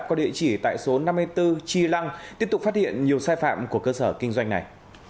có địa chỉ tại số năm mươi bốn chi lăng tiếp tục phát hiện nhiều sai phạm của cơ sở kinh doanh này